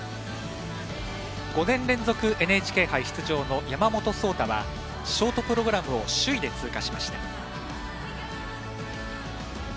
５年連続ＮＨＫ杯出場の山本草太はショートプログラムを首位で通過しました。